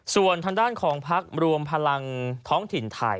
ส่วนทางด้านของพักรวมพลังท้องถิ่นไทย